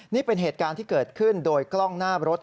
นี่เป็นเหตุการณ์ที่เกิดขึ้นโดยกล้องหน้ารถ